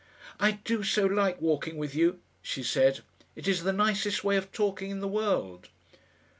"I do so like walking with you," she said. "It is the nicest way of talking in the world."